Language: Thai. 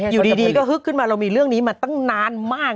อยู่ดีก็ฮึกขึ้นมาเรามีเรื่องนี้มาตั้งนานมาก